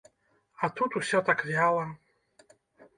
А тут усё так вяла.